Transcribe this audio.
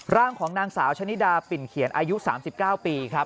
ร่างของนางสาวชะนิดาปิ่นเขียนอายุ๓๙ปีครับ